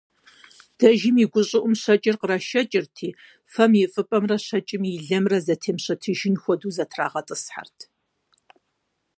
Дэжым и гущӀыӀум щэкӀыр кърашэкӀырти, фэм и фӀыпӀэмрэ щэкӀым и лэмрэ зэтемыщэтыжын хуэдэу зэтрагъэтӀысхьэрт.